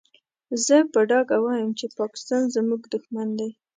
زه په ډاګه وايم چې پاکستان زموږ دوښمن دی.